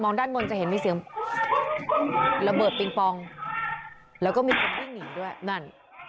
ด้านบนจะเห็นมีเสียงระเบิดปิงปองแล้วก็มีคนวิ่งหนีด้วยนั่น